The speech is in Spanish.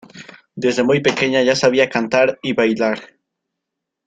Desde muy pequeña ya sabía cantar y bailar.